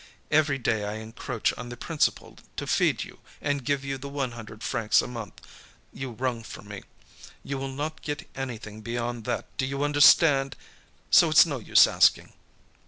Every day I encroach on the principal to feed you and give you the one hundred francs a month you wrung from me. You will not get anything beyond that, do you understand? So it's no use asking."